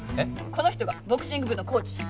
この人がボクシング部のコーチ。